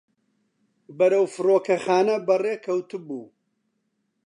بەرەو فڕۆکەخانە بەڕێکەوتبوو.